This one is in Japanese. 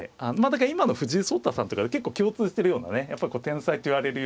だから今の藤井聡太さんとか結構共通してるようなねやっぱり天才といわれるような。